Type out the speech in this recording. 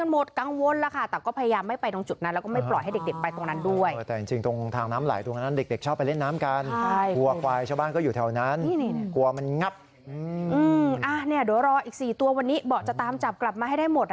มันงับอืมนี่เดี๋ยวรออีกสี่ตัววันนี้บ่อจะตามจับกลับมาให้ได้หมด